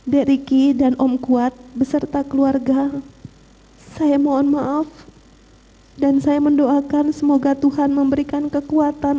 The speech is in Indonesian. dek riki dan om kuat beserta keluarga saya mohon maaf dan saya mendoakan semoga tuhan memberikan kekuatan